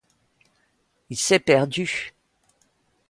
Il s'est perdu.